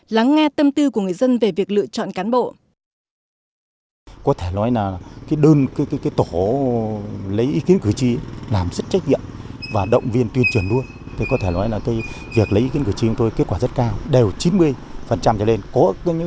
lắng nghe tâm tư của người dân về việc lựa chọn cán bộ